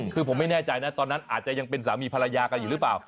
คือผมไม่แน่ใจนะตอนนั้นอาจจะยังเป็นสามีภรรยากันอยู่หรือเปล่า